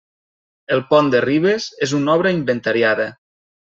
El Pont de Ribes és una obra inventariada.